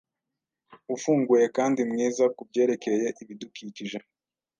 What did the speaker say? ufunguye kandi mwiza kubyerekeye ibidukikije